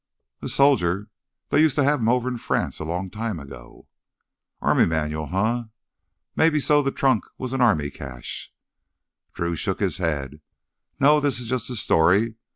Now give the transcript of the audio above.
"A soldier. They used to have them over in France a long time ago." "Army manual, eh? Maybe so the trunk was an army cache—" Drew shook his head. "No, this is just a story.